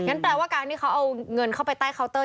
แปลว่าการที่เขาเอาเงินเข้าไปใต้เคานเตอร์